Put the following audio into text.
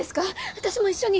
私も一緒に！